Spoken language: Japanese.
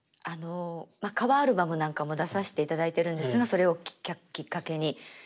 あのまあカバーアルバムなんかも出させていただいてるんですがそれをきっかけに。